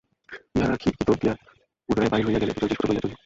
উহারা খিড়কি দোর দিয়াই পুনরায় বাহির হইয়া গেলে দুজনে জিনিসপত্র লইয়া চলিল।